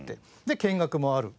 で見学もある。